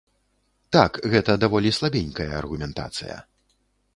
Так, гэта даволі слабенькая аргументацыя.